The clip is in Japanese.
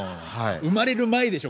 生まれる前でしょ